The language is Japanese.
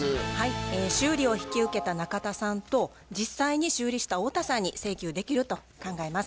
修理を引き受けた中田さんと実際に修理した太田さんに請求できると考えます。